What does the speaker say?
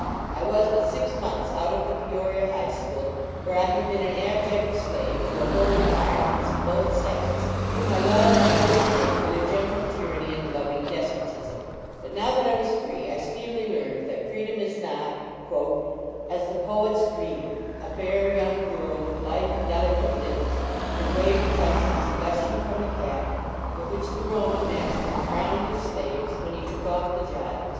Iwas but six months out of the Peoria high school, where I had been an abject slave to a horde of tyrants, of both sexes, whom I love unto this day for their gentle tyranny and loving despotism. But now that I was free, I speedily learned that freedom is not 206 LAUREL AND CYPRi " as the poet s dream. A fair young girl, with light ami delicate limbs, And wavy tresses gushing from the cap With which the Roman master crowned his slaves When he took off the gyves.